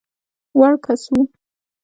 وړ کس وو.